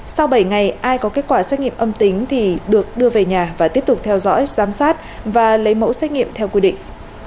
sau bảy ngày ai có kết quả xét nghiệm âm tính thì được đưa về nhà và tiếp tục theo dõi giám sát và lấy mẫu xét nghiệm theo quy định